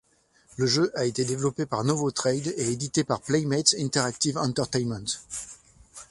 Le jeu a été développé par Novotrade et édité par Playmates Interactive Entertainment.